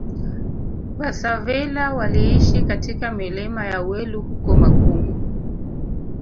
Vasavila waliishi katika milima ya Welu huko Makungu